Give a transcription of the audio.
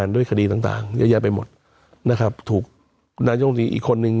ด้วยคดีต่างยาวไปหมดถูกนายกรุงนี้อีกคนนึง